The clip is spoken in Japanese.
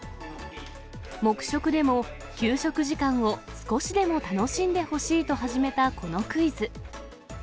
黙食でも、給食時間を少しでも楽しんでほしいと始めたこのクイズ。